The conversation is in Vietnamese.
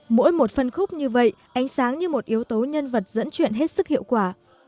mỗi một phân khúc như vậy ánh sáng như một yếu tố nhân vật dẫn chuyện hết sức hiệu quả